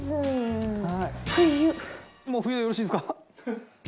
もう冬でよろしいですか？